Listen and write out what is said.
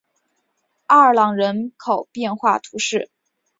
阿尔朗人口变化图示